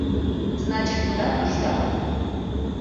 Значит, тудат туштак?